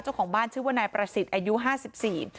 เจ้าของบ้านชื่อว่านายประสิทธิ์อายุห้าสิบสี่